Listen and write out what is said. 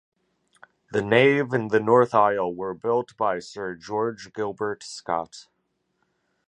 The nave and the north aisle were built by Sir George Gilbert Scott.